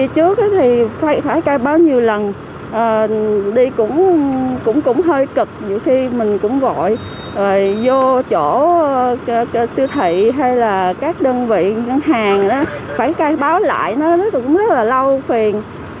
các chỗ siêu thị hay là các đơn vị ngân hàng phải khai báo lại nó cũng rất là lâu phiền